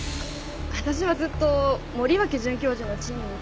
私はずっと森脇准教授のチームにいたから。